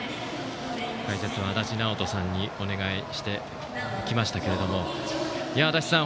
解説は足達尚人さんにお願いしてきましたけれども足達さん